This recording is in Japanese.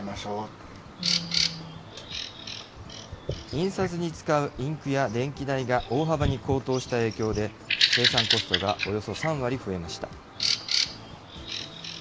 印刷に使うインクや電気代が大幅に高騰した影響で、生産コストがおよそ３割増えました。